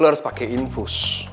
lo harus pake infus